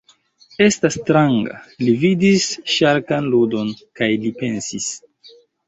Estas stranga. Li vidis ŝarkan ludon, kaj li pensis: